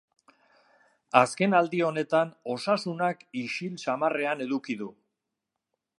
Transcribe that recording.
Azken aldi honetan osasunak ixil samarrean eduki du.